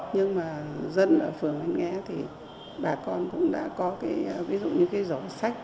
nhưng mà dân ở phường anh nghe thì bà con cũng đã có cái ví dụ như cái giỏ sách